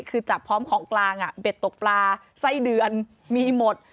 คือจับพร้อมของกลางเบ็ดตกปลาไส้เดือนมีหมด